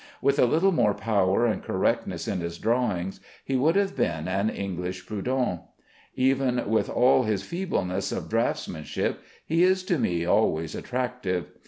With a little more power and correctness in his drawing, he would have been an English Prudhon. Even with all his feebleness of draughtsmanship he is to me always attractive.